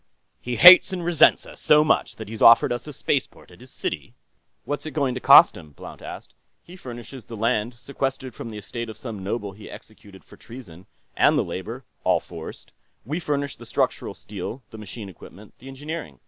"He hates and resents us so much that he's offered us a spaceport at his city...." "What's it going to cost him?" Blount asked. "He furnishes the land sequestered from the estate of some noble he executed for treason and the labor all forced. We furnish the structural steel, the machine equipment, the engineering.